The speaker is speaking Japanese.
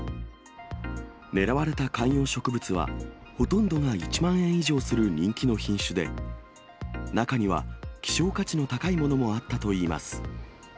狙われた観葉植物は、ほとんどが１万円以上する人気の品種で、中には希少価値の高いものもあったといいます。